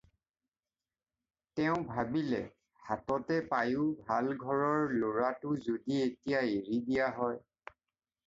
তেওঁ ভাবিলে, হাততে পায়ো ভাল ঘৰৰ ল'ৰাটো যদি এতিয়া এৰি দিয়া হয়।